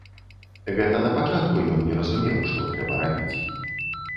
Гэта на пачатку ён не разумеў, што трэба рабіць.